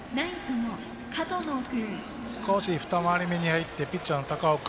少し２回り目に入ってピッチャーの高尾君。